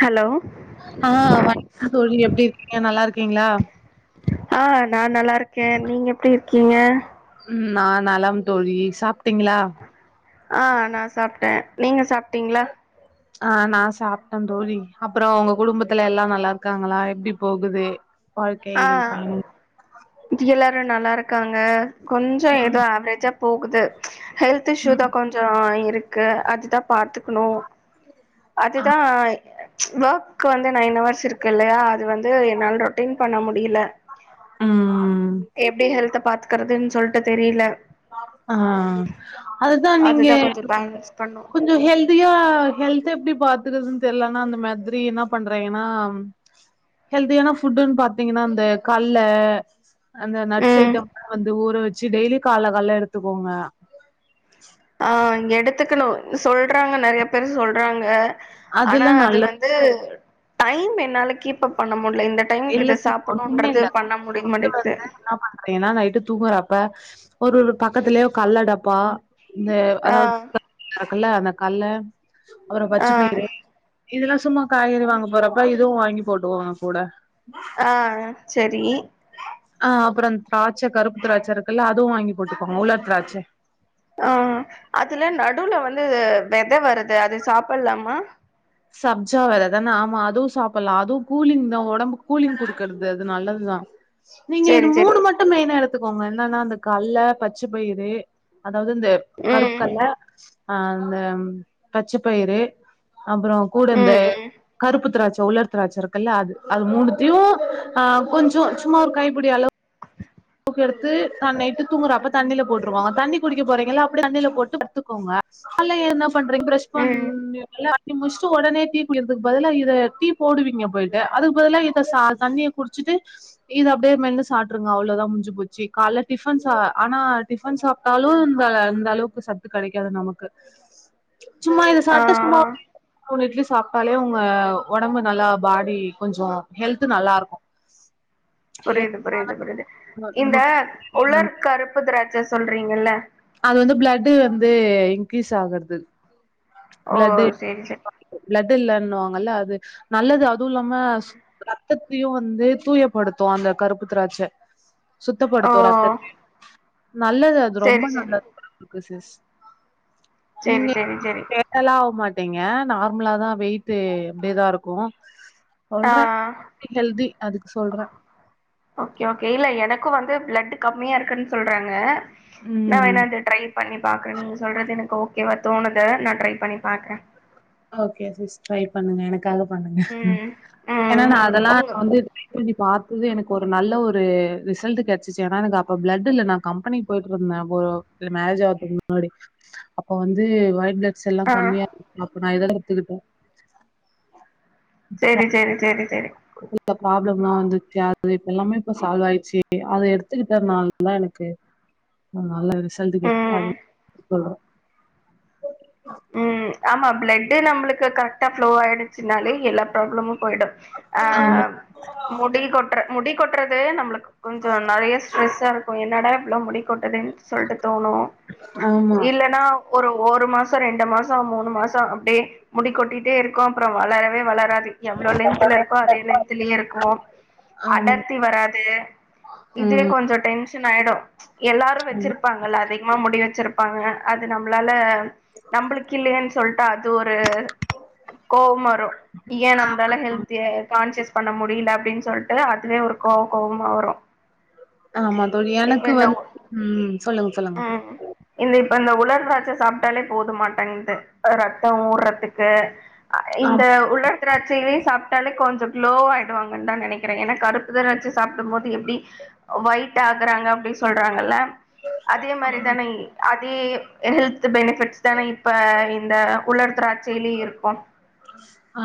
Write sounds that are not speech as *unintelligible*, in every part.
Hello ஆ வந் தோழி எப்பிடி இருக்கீங்க நல்லா இருக் க்கீங்களா ஆ நா நல்லா இருக்கே நீங்க எப்பிடி இருக்கீங்க ம் நா நலம் தோழி சாப்ட்டீங்களா ஆ நா சாப்ட்டே நீங்க சாப்ட்டீங்களா ஆ நா சாப்ட்டே தோழி அப்புறோ உங்க குடும்பத்துல எல்லா நல்லா இருக்காங்களா எப்பிடி போகுது வாழ்க்கை பயணம் ர்ரு நல்லா இருக்காங்க கொஞ்சோ ம் ஏதோ ஆவரேஜா போகுது ஹெல்த் இஷ்யூ தா ம் கொஞ்சோ இருக் க்கு அது தா பாத்துக்கணு ஆ அதுதா வொர்க்கு வந்து நைன் அவர்ஸ் இருக்கு இல்லையா அது வந்து என்னால ரொட்டின் பண்ண முடியல ம் எப்பிடி ஹெல்த்த பாத் க்கிறதுன் சொல்ட்டு தெரியல ஆ அதுதா நீங்க அதுதான் கொஞ்சம் பேலன்ஸ் பண்ணும் குஞ்சோ ஹெல்தியா ஹெல்த் த்த எப்பிடி பாத்துக்குதுரன்னு தெரியலனா ஆனா அந்த மாதிரி என்ன பண்றீங்கன்னா ஹெல்தியான ஃபுட்டுன் பாத்தீங்கன்னா அந்த கல்ல அந்த நட்ஸ் ம் ஐட்டம் வந்து ஊற வச்சி டெய்லி கால கால எடுத்துக்கோங்க ஆ இங்க எடுத்துக்கன்னு சொல்றாங்க நெறைய பேரு சொல்றாங்க ஆனா அதெல்லா அது நல்ல வந்து டைம் என்னால கீப் அப் பண்ண முடில இந்த டைமுக்கு இல்ல இத ஒண்ணுமே சாப்புட்ணுன்றது இல்ல பண்ண முடிய மாட்டேங்குது என்ன பண்றேன்னா நைட்டு தூங்குறப்ப ஒரு ஒரு பக்கத்துலயே கல்லடப்பா இந்த ஆ அதாது *unintelligible* இருக்குல கல்ல அப்புறோ ஆ பச்சபயிரு இதெல்லா சும்மா காய்கறி வாங்க போறப்ப இதுவு வாங்கி போட்டுவோ கூட ஆ சேரி அ அப்றோ திராட்ச கருப்பு திராட்ச இருக்குல்ல அதுவு வாங்கி போட்டுகோங்க உலர் திராட்ச ஆ அதுல நடுல வந்து வெத வருது அத சாப்பிட்லாமா சப்ஜா வெத தானே ஆமா அதுவு சாப்பிட்லா அதுவு கூலிங் தா உடம்புக்கு கூலிங் குடுக்கற்து அது நல்லதுதா நீங்க சேரி இது சேரி மூணு மட்டு மெயினா எடுத்த த்துக்கோங்க என்னன்னா அந்த கல்ல பச்ச பயிரு அதாவது இந்த கருப்பு ம் கல்ல அ அந்த பச்ச பயிறு அப்பறோ கூடந்த ம் ம் கருப்பு திராட்ச உலர் திராச்சருக்குல்ல அது அது மூனுத்தையு ஆ கொஞ்சோ சும்மா ஒரு கைபிடி அளவு பூக்கு எடுத்து நைட்டு தூங்குறப்ப தண்ணில போட்ருவொ தண்ணி குடிக்க போறீங்கள்ள அப்படிய தண்ணில போட்டு கத்துக்கோங்க கால்ல எழ்ந்தா பண்றேங் ஃப்ரெஷ் பன் ம் ரெ *unintelligible* நீ முடிச்சுட்டு உடனே டீ குடிக்றதுக்கு பதிலா இத டீ போடுவீங்க போயிட்டு அதுக்கு பதிலாக இத தண்ணிய குடிச்சிட்டு இத அப்டியே மென்னு சாப்ட்ருங்க அவ்ளோதா முடிஞ்சு போச்சி கால்ல டிஃபன் சா ஆனா டிஃபன் சாப்ட்டாலு அந்த அளவுக்கு சத்து கெடைக்காது நமக்கு சும்மா இத ஆ சாப்டு சும்மா ஒரு இட்லீ சாப்ட்டாலே உங்க ஒடம்பு நல்லா பாடி கொஞ்சோ ஹெல்து நல்லா இருக்கு புரியுது புரியுது புரியுது இந்த நமக்கு உலர் கருப்பு திராட்ச சொ ல்றீங்கல்ல அது வந்து பிளட் வந்து இன்கிரீஸ் ஆகுறது ஓ ப்ளட்டு சேரி சேரி *inaudible* ப்ளட் இல்லன்ன லுவாங்கல்ல அது நல்லது அதுவு இல்லாம ரத்தத்தையு வந்து தூயப்படுத்து அந்த கருப்பு திராட்ச சுத்தப்படுத்து ஓ ரத்தத்தயு நல்லது அது ரொம்ப சேரி நல் சேரி க்குசிஸ் சேரி நீங்க *inaudible* சேரி சேரி கேட்டலாவ் மட் ப்பீங்க நார்மலா தா வெயிட் இப்டியேதா இருக்கு ஆ சொல்றே ஹெல்தி அதுக்கு சொல்றே ஓகே ஓகே இல்ல எனக்கு வந்து பிளட் கம்மியா இருக்குன்னு சொல்றாங்க நா ம் வேணா அது ட்ரை பண்ணி பாக்குறே நீங்க சொல்றது எனக்கு ஓ கேவா தோணுது நா ட்ரை பண்ணி பாக்குறே ஓகே சிஸ் ட்ரை பண்ணுங்க எனக்கு காக பண்ணுங்க ம் ம் எனனா அதெல்லா உங்க வந்து ட்ரை பண்ணி பாத் இது எனக்கு ஒரு நல்ல ஒரு ரிசல்ட் கிடைச்சச்சு ஏன எனக்கு அப்ப பிளட் இல்ல நா கம்பெனிக்கு போயிட்டு இருந்தே மேரேஜ் ஆதுக்கு முன்னாடி அப்ப வந்து வைட் பிள செல்லா ஆ கம்மியா இரு நா இதா கத்துக்கிட்டே சேரி சேரி சேரி சேரி இந்த பராப்ளம்ல்லா வந்துச்சு அது இப்ப எல்லாமே இப்ப சால்வ் ஆயிச்சு அத எடுத்துக்கிட்டனால தா எனக்கு நல்லா இரு சந்திக அது ம் *unintelligible* ம் ஆமா பிளட்டு் நம்மளுக்கு கரெக்டா ஃப்ளோ ஆயிடுச்சுனாலே எல்லா ப்ராப்ளமு போயிடு அ ஆமா, முடி கொட்டுற முடி கொட்டுறது நம்மளுக்கு கொஞ்சோ நிறைய ஸ்ட்ரெஸ் இப்தா இருக்கு என்னடா இப்லா முடி கொட்டுதேன்னு சொல்ட்டு தோணு ஆமா, இல்லன்னா ஒரு ஓரு மாஸ் சோ ரெண்டு மாசோ மூணு மாசோ அப்டியே முடிக்கொட்டிட்டே இருக்கு அப்புறோ வளரவே வளர *unintelligible* எவ்ளோ லென்த்ல இருக்கோ அதே லென்த்ல இருக்கு ஆமா. அடர்த்தி வராது இதே ம். கொஞ்சோ டென்ஷன் ஆயிடு எல்லாரு ஆமா, வச்சிருப்பாங்க அதிகமா முடி வச்ச வச்சிருப்பாங்க அது நம்மளால நம்மளுக்கு இல்லையன்னு சொல்லிட்டு அது ஒரு து கோவவரு ஏன் நம்மளால ஹெல்தியா கான்சியஸ் பண்ண முடில அப்படின்னு சொல்ட்டு அதுவே ஒரு கோவ கோவமா வரு ஆமா தோழி இப்ப எனக்கு வந் இந்த ம் சொல்லுங்க, சொல்லுங்க. ம் இந்த இப் இப்ப இந்த உலர் திராட்ச சாப்பிட்டாலே போதுமா டென்டு ரத்தோ ஊர்ரதுக்கு அ ஆமா. இந்த உள்ள திராட்சியிலை சாப்பிட்டாலே கொஞ்சோ க்லோ ஆயிச்சா வாங்குதா நெனைக்கிறே ஏன்னா கருப்பு திராட்ச சாப்பிடு போது எப்டி ஒயிட் ஆகுறாங்க அப்டின்னு சொல்றாங்கள்ல அதே மாரி தானே இ அது ஏ எஹ் இது பெனிஃபிட்ஸ் தான இப்ப இந்த உலர் திராட்சியிலயு இருக்கு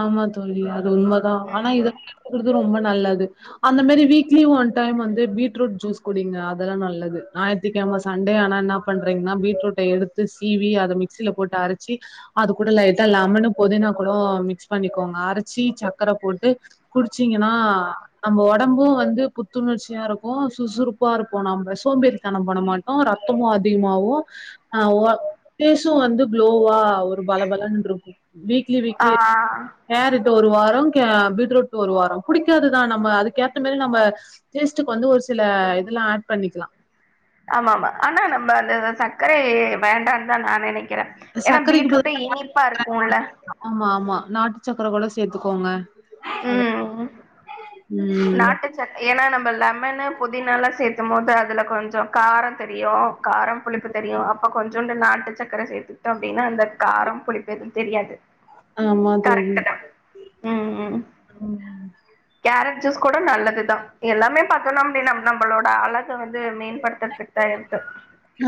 ஆமா தோழி அது உண்மதா ஆனா இத ம் எடுத் ரொம்ப நல்லது அந்த மாரி வீக்லி ஒன் டைம் வந்து பீட்ரூட் ஜூஸ் குடிங்க அதெல்லா நல்லது ஞாயித்துகெழம சன்டே ஆனா என்னா பண்றீங்கனா பீட்ரூ எடுத்து சீவி அத மிக்சில போட்டு அரச்சி அது கூட லைட்டா லெமெனு புதினா போட் அப்றோ மிக்ஸ் பண்ணிக்கோங்க அரச்சி சக்கர போட்டு குடிச்சீங்கன்னா நம்ம ஒடம்பு வந்து புத்துணர்ச்சியா இருக்கு சுறுசுறுப்பா இருப்போ நம்ம சோம்பேறித்தன பட மாட்டோ ரத்தமு அதிகமாகு ஆ பேஸு வந்து குளோவா ஒரு பலபலனு இருக்கு வீக்லி ஆ வீக்லி கேரட் ஒரு வாரோ பீட்ரூட் ஒரு வாரோ குடிக்குறதுதா நம்ம அதுக்கேத்த மாரி நம்ம டேஸ்ட்க்கு வந்து ஒரு சில இதெல்லா ஆட் பண்ணிக்கலா ஆமா ஆமா ஆனா நம்ம ச சக்கரே வேண்டா நா இன்னைக்கு இருக்கிறே ஏன்னா சக்கரைக்கு பீட்ரூட்டே பதிலா இனிப்பா இருக்கும்ல நாட்டுச்சக்கர கூட சேத்துக்கோங்க உம் ம் நாட்டுச்ச ஏன்னா நம்ம லெமனு புதினாலா சேர்த்தும் போது அது அதுல கொஞ்சோ காரோ தெரியு காரம் புளிப்புத்தெரியு அப்ப கொஞ்சம் நாட்டுச்சக்கர சேர்த்துக்கிட்டோம் அப்டின்னா அந்த காரம் புளிப்பெது தெரியாது ஆமாந்தோழி கரெக்ட் தா ம் ம் ஆமா கேரட் ஜூஸ் கூட நல்லதுதா எல்லாமே பாத்தோனும் அப்டி நம்ம நம்மளோட அழக வந்து மேன்படுத்துறதுக்கு தா இருக்கு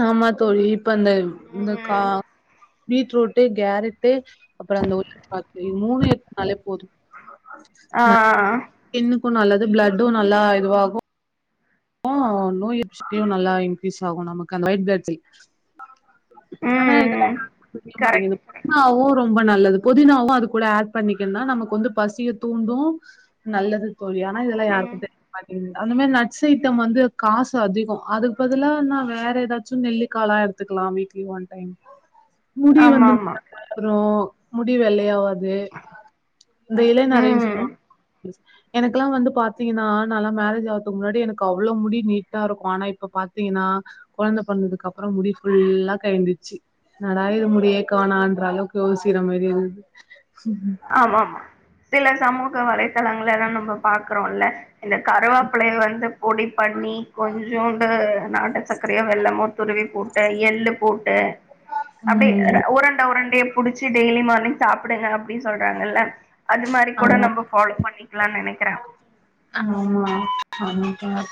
ஆமாத்தோழி இப்ப அந்த இந்த கா ம் பீட்ரூட் *unintelligible* கேரட்டு அப்ற அந்த *inaudible* மூனு இருந்தாலே போது ஆஆஆ க்கும் நல்லது ப்ளட்டு நல்லா இதுவாகு ஆ நோய் எதிர்ப்பு சக்தியு நல்லா இன்க்ரீஸ் ஆகு நமக்கு அந்த ஒய்ட் பிளட் செல் ஆனா ம் இதெல்லாம் *inaudible* கரெக்ட் கரெக்ட் ரொம்ப நல்லது புதினாவு அது கூட ஆட் பண்ணிக்கனா நமக்கு வந்து பசிய தூண்டு நல்லது தோழி ஆனா இதெல்லா ம் யாருக்கு தெரிய மாட்டேங்குது அந்த மாரி நா சை வந்து காசு அதிகோ அதுக்கு பதில நா வேற ஏதாச்சும் நெல்லிக்காலா எடுத்துக்கலாம் வீக்லீ ஒன் முடி ஆமா வந்து ஆமா *inaudible* அப்றோ முடி வெள்ளயாவாது இந்த இளநறைன்னு சொல்லுவா ம் எனக்கெல்லா வந்து பாத்தீங்கனா நாலா மேரேஜ் ஆறதுக்கு முன்னாடி எனக்கு அவ்ளோ முடி நீட்டா இருக்கு ஆனா இப்ப பாத்தீங்கனா கொழந்த பொறந்ததுக்கு அப்றோ முடி ஃபுல்லா கழிஞ்சுச்சு என்னடா இது முடியே காணோங்ராங்க யோசிக்ற மாரி இருது ச ஆமாமா. சில சமூக வலை தளங்களல்லா நம்ம பாக்கறோல்ல இந்த கருவாப்பிழைய வந்து பொடி பண்ணி கொஞ்சோண்டு நாட்டு சக்கரையோ வெள்ளமோ துருவி பூட்டு எள்ளு போட்டு அப்பிடி ம் உரண்ட உரண்டய புடிச்சி டெய்லி மார்னிங் சாப்புடுங்க அப்பிடி சொல்றாங்கல்ல அது மாரி கூட ஆமா நம்ம ஃபாலோ பண்ணிக்கலான்னு நெனைக்குறே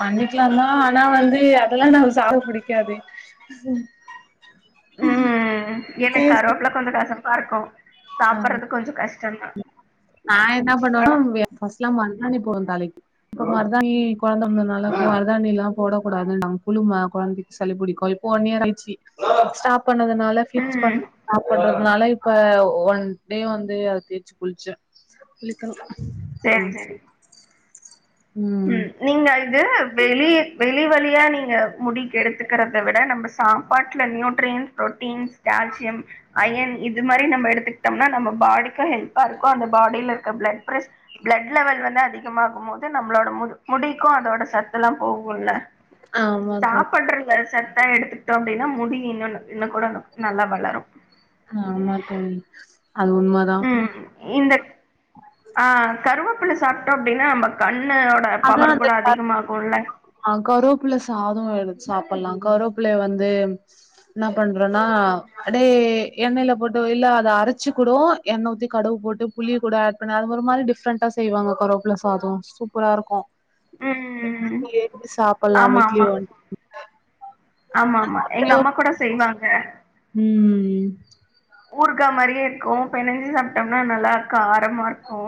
பண்ணிக்லாதா ஆனா வந்து அதெல்லா நமக் சாப்டபுடிக்காது ம் என்ன கருவேப்புல கொஞ்சோ காசப்பாருக்கு சாப்புறதுக் கொஞ்சோ வஷ் நா என்ன பண்ணுவேன்னா *unintelligible* பண் மருதாணி போ தாலைக்குப்போ மருதாணி கொழந்தனால மரதாணிளாம் போடக்க கூடாது நா புழு குழந்தைக்கு சளிபுடிக்கு இப்ப ஒன்இயர் ஆச்சி சாப் ப்பண்ணாதனால ம். *unintelligible* னாலப் ப்ப ஒன் டே வந் து அதீத் குளிச்சே குளிக்கணு சேரி ம் சேரி ம் நீங்க து வெளி வெளி வழியா நீங்க முடிக்கு எடுத்துக்கறத விட நம்ம சாப்பாட்டுல நியூட்ரியன் புரோட்டீன்ஸ் கால்சியம் அயன் இது மாரி நம்ம எடுத்துக்கிட்டம்னா நம்ம பாடி க்கா ஹெல்ப்பா இருக்கு அந்த பாடியில இருக்கிற பிளட்பிஷ பிளட் லெவல் வந்து அதி ஸ்லிம்மாக்கு போது நம்மளோட மு முடிக்கு அதோட சத்துலா போக்குள்ள ஆமா தோழி சாப்படறல சத் தா எடுத்துக்கிட்டோ அப்டின்னா முடி இன்னு ந இன்னு கூட நல்லா வளரு ஆமா தோழி அது உண்ம தா ஆ கருவேப்பிள சாப்பிட்டோ அப்பிடின்னா நம்ம கண் அதா அந்த க ஆ கருவேப்புல்ல சாதோ எடுத் சாப்பிட்லா கருவேப்பலைய வந்து என்ன பண்றோனா அடே எண்ணெயில போட்டு இல்ல அத அரைச்சு கூட எண்ண ஊத்தி கடுவு போட்டு புளி கூட ஆட் பண்ணி அது ஒரு மாரி டிஃப்ரெண்டா செய்வாங்க கருவோப்புல சாதோ சூப் புரா ம் ம் ம் இருக்கு சாப்பிட்லா ஆமா வீட்லி ஆமா ஒன் ஆமா ஆமா எங்க அம்மா கூட செய்வாங்க உ உ ஊர்கா மாரியே இருக்கு பெணஞ்சு சாப்ட்டோம்னா நல்லா இருக்கா ரமாருக்கு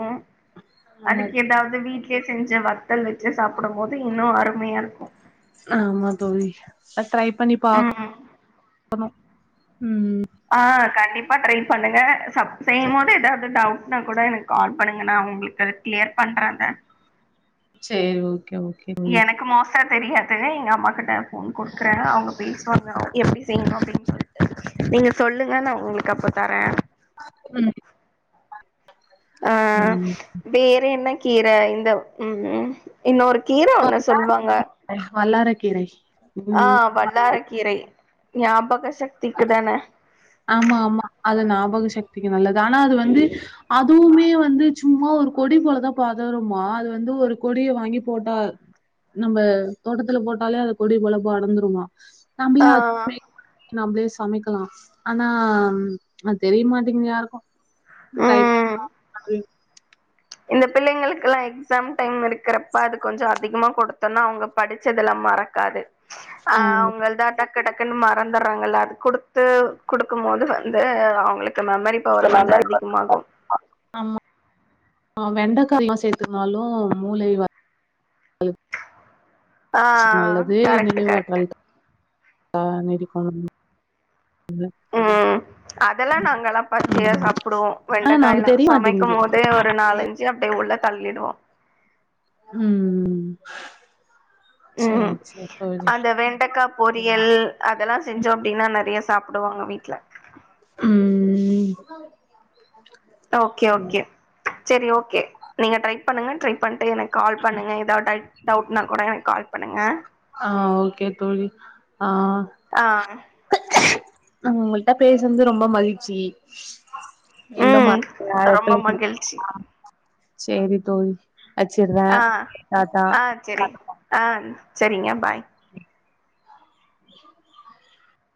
ஆமா அதுக்கு ஏதாவது வீட் லே செஞ்ச வத்தல் வச்சு சாப்பிடம்போது இன்னு அருமையா இருக்கு ஆமா தோழி அட்ரை பண்ணிப்பாக் ம் கனு ஆ கண்டிப் ப்பா ட்ரை பண்ணுங்க சப் சேம்மோட ஏதாவது டவுட்னா கூட எனக்கு கால் பண்ணுங்க நா உங்களுக்கு கிளியர் பண்றேத சேரி ஓக் கே ஓகே ஓழி பெருசா தெரியாது எங்க அம்மாக்கிட்ட ஃபோன் குடுக்குறே அவங்க பேசுவாங்க எப்டி செய்யணு அப்டின்னு சொல்லிட்டு நீங்க சொல்லுங்க நா உங்களுக்கு அப்றோ தரே உ ஆ வேற என்ன கீர இந்த உ உ இன்னொரு கீர ஒண்ணு சொல்லுவாங்க கீரை ஆ வல்லாரக்கீரை ஞாபகஸ் ஆமா ஆமா அது ஞாபக சக் சக்திக்கு நல்லது ஆனா அது வந்து அதுவுமே வந்து சும்மா ஒரு கொடி போலதா பதருமா அது வந்து ஒரு கொடிய வாங்கி போட்டா நம்ம தோட்டத்துல போட்டாலே அதை கொடி போல படர்ந்துருமா நம்ளே ஆ அது *inaudible* நம்ளே சமைக்கலா ஆனா தெரியமாட்டேங்கது யாருக்கு டைப் ம் பண்லாணு சொ *unintelligible* இந்த பிள்ளைங்களுக்கெல்லா எக்ஸாம் டைம் இருக்கிறப்ப அது கொஞ்சோ அதிகமா கொடுத்தோம்னா அவுங்க படிச்சதெல்லா மறக்காது அ ஆமா. உங்களதா அட்டக் கிடக்குன்னு மறந்துறாங்க அது குடுத்து குடுக்கும்போது வந்து அவுங்களுக்கு மெமரி பவர் இந்த தா கொஞ்ச மெமரி அதிகமாகு ஆ வெண்டைக்காய எல்லா சேர்த்துந்நாலு மூளை வளருது ஆ கரெக்ட்டு கரெக்ட்டு த நெரிக் குழம்பு உம் அதெல்லா நாங்கல்லா பச்சையா சாப்டுவோ ஆனா வெண்டக்காய நமக்கு எல்லா தெரிய சமைக்கு மாட்டேங்குது. போதே ஒரு நாலஞ்சு அப்டியே உள்ள தள்ளிடுவோ உம்ம்ம் உம் அந்த வெண்டக்கா பொரியல் அதெல்லா செஞ்சோம் அப்டின்னா நெறய சாப்டுவாங்க வீட்ல உம்ம்ம் ஓகே ஓகே செரி ஒகே நீங்க ட்ரை பண்ணுங்க ட்ரை பண்ணிட்டு எனக்கு கால் பண்ணுங்க எதாவது டவ்ட்டுன்னா கூட கால் பண்ணுங்க ஆ ஓகே தோழி ஆ ஆ உங்கள்ட்ட பேசுனது ரொம்ப மகிழ்ச்சி இன்னும் மா ம் ரொம்ப மகிழ்ச்சி *unintelligible* சேரி தோழி வச்சிர்றே ஆ டாட்டா ஆ சரி ஆ சரிங்க பாய் *unintelligible*